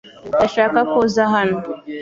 Ndashaka ko uza hano .